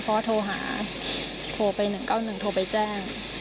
เพราะว่าโทรหาโทรไป๑๙๑โทรไปแจ้ง